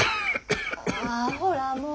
あぁほらもう。